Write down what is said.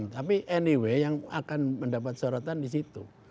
tapi anyway yang akan mendapat sorotan di situ